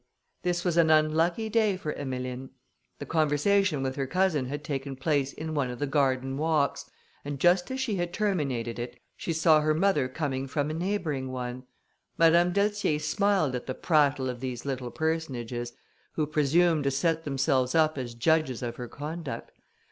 This was an unlucky day for Emmeline; the conversation with her cousin had taken place in one of the garden walks, and just as she had terminated it, she saw her mother coming from a neighbouring one. Madame d'Altier smiled at the prattle of these little personages, who presumed to set themselves up as judges of her conduct.